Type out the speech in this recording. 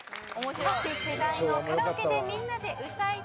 各世代のカラオケでみんなで歌いたい曲。